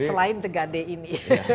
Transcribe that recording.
selain tegade ini